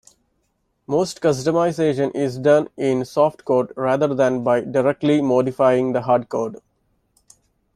Most customization is done in "softcode" rather than by directly modifying the hardcode.